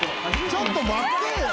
ちょっと待ってよ！